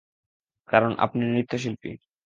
কারণ আপনি নৃত্যশিল্পী।